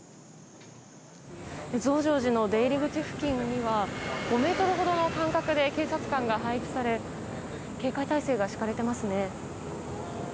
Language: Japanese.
増上寺の出入り口付近には５ｍほどの間隔で警察官が配置され警戒態勢が敷かれています。